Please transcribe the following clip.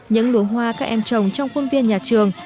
những luống hoa các em trồng trong khuôn viên nhà trường